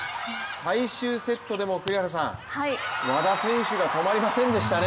最終セットでも和田選手が止まりませんでしたね。